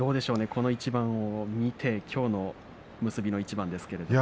この一番を見てきょうの結びの一番ですけれど。